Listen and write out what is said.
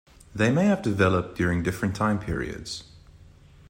They may have developed during different time periods.